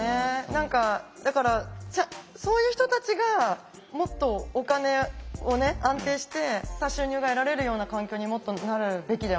何かだからそういう人たちがもっとお金をね安定した収入が得られるような環境にもっとなるべきだよなって思いますよね。